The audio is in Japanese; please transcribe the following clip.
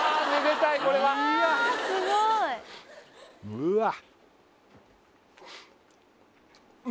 うわっ